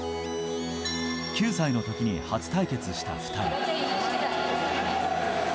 ９歳の時に初対決した２人。